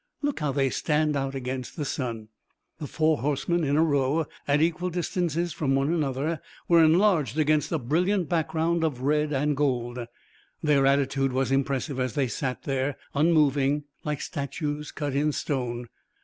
"Look how they stand out against the sun!" The four horsemen in a row, at equal distances from one another, were enlarged against a brilliant background of red and gold. Their attitude was impressive, as they sat there, unmoving, like statues cut in stone.